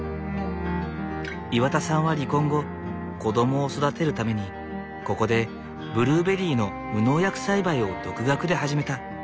岩田さんは離婚後子供を育てるためにここでブルーベリーの無農薬栽培を独学で始めた。